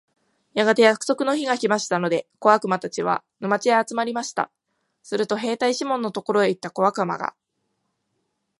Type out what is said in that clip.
やがて約束の日が来ましたので、小悪魔たちは、沼地へ集まりました。すると兵隊シモンのところへ行った小悪魔が、